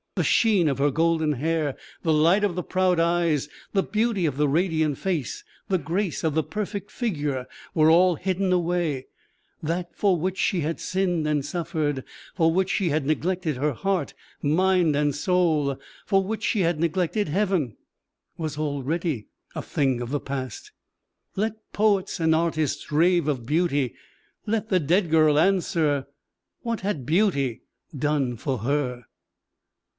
The sheen of the golden hair, the light of the proud eyes, the beauty of the radiant face, the grace of the perfect figure, were all hidden away; that for which she had sinned and suffered for which she had neglected her heart, mind, and soul for which she had neglected Heaven was already a thing of the past. Let poets and artists rave of beauty let the dead girl answer, "What had beauty done for her?"